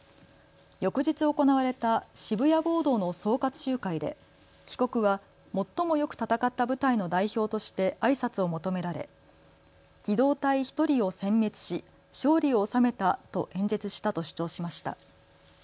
翌日行われた渋谷暴動の総括集会で被告は最もよく闘った部隊の代表としてあいさつを求められ機動隊１人をせん滅し勝利を収めたと演説したと主張しました。